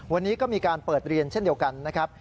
วันนี้ก็มีการเปิดเรียนเช่นเดียวกันนะครับ